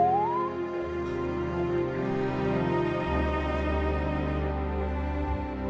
aku mau pergi ke rumah